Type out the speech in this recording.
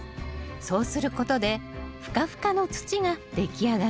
そうすることでふかふかの土が出来上がります。